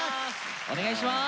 お願いします。